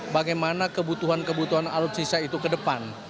bagaimana kebutuhan kebutuhan alutsista itu ke depan